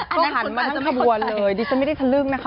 คุณหันมาทั้งขบวนเลยดิฉันไม่ได้ทะลึ่งนะคะ